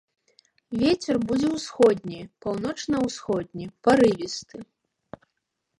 Вецер будзе ўсходні, паўночна-ўсходні, парывісты.